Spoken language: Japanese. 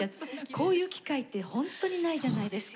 こういう機会ってほんとにないじゃないですか。